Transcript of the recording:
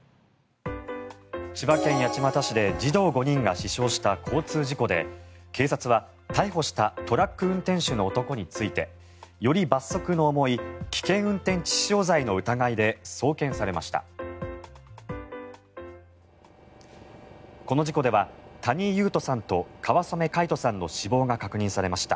千葉県八街市で児童５人が死傷した交通事故で警察は、逮捕したトラック運転手の男についてより罰則の重い危険運転致死傷罪の疑いで送検されました。